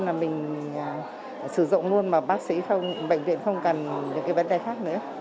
là mình sử dụng luôn mà bác sĩ bệnh viện không cần những cái vấn đề khác nữa